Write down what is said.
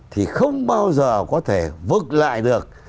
thì không bao giờ có thể vước lại được